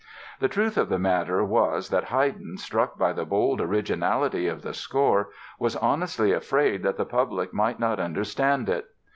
The truth of the matter was that Haydn, struck by the bold originality of the score, was honestly afraid that the public might not understand it.